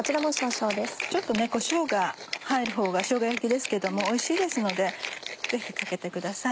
ちょっとこしょうが入るほうがしょうが焼きですけどもおいしいですのでぜひかけてください。